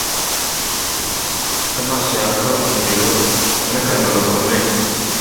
Afite amaso yaka umuriro n'akanwa gakomeye